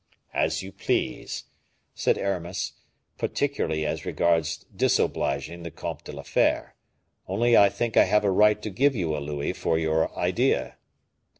"As you please," said Aramis, "particularly as regards disobliging the Comte de la Fere; only I think I have a right to give you a louis for your idea."